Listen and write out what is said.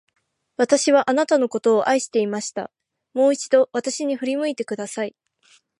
私はあなたのことを愛していました。もう一度、私に振り向いてください。